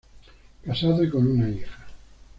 Casado y con una hija.